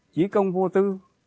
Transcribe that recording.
chí công vô tư